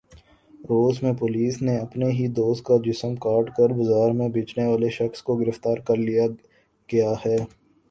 روس میں پولیس نے اپنے ہی دوست کا جسم کاٹ کر بازار میں بیچنے والے شخص کو گرفتار کرلیا گیا ہے